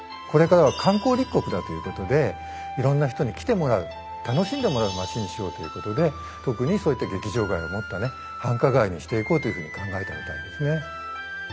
これからは観光立国だということでいろんな人に来てもらう楽しんでもらうまちにしようということで特にそういった劇場街を持ったね繁華街にしていこうというふうに考えたみたいですね。